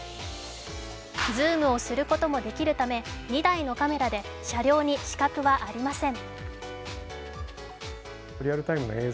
ズームをすることもできるため２台のカメラで車両に死角はありません。